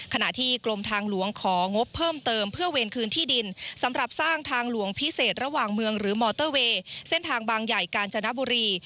ขณะที่กรมทางหลวงของงบเพิ่มเติมเพื่อเวรคืนที่ดินสำหรับสร้างทางหลวงพิเศษระหว่างเมืองหรือมอเตอร์เวย์เส้นทางบางใหญ่กาญจนบุรี